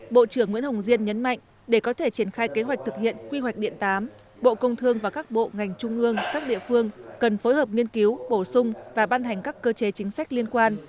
bộ trưởng nguyễn hồng diên nhấn mạnh để có thể triển khai kế hoạch thực hiện quy hoạch điện tám bộ công thương và các bộ ngành trung ương các địa phương cần phối hợp nghiên cứu bổ sung và ban hành các cơ chế chính sách liên quan